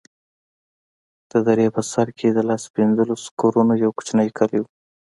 د درې په سر کښې د لس پينځه لسو کورونو يو کوچنى کلى و.